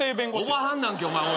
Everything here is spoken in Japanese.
おばはんなんけお前。